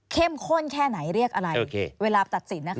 ข้นแค่ไหนเรียกอะไรเวลาตัดสินนะคะ